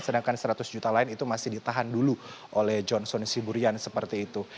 sedangkan seratus juta lain itu masih ditahan dulu oleh johnson siburian seperti itu